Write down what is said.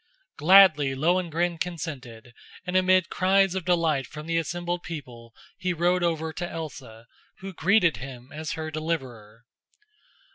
Gladly Lohengrin consented, and amid cries of delight from the assembled people he rode over to Elsa, who greeted him as her deliverer.